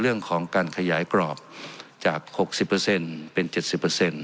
เรื่องของการขยายกรอบจากหกสิบเปอร์เซ็นต์เป็นเจ็ดสิบเปอร์เซ็นต์